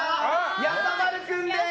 やさまる君です！